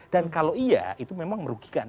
dan kalau iya itu memang merugikan